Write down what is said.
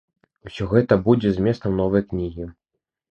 Усё гэта будзе зместам новай кнігі.